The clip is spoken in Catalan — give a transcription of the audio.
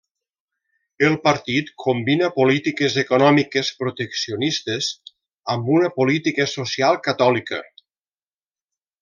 El partit combina polítiques econòmiques proteccionistes amb una política social catòlica.